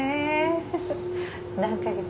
何か月？